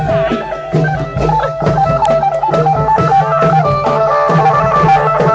เพื่อรับความรับทราบของคุณ